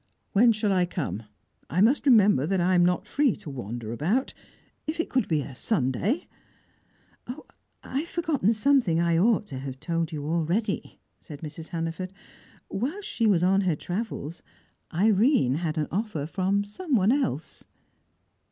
"When shall I come? I must remember that I am not free to wander about. If it could be a Sunday " "I have forgotten something I ought to have told you already," said Mrs. Hannaford. "Whilst she was on her travels, Irene had an offer from someone else."